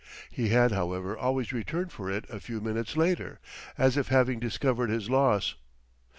He had, however, always returned for it a few minutes later, as if having discovered his loss.